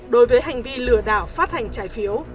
đối với hành vi lừa đảo phát hành trái phiếu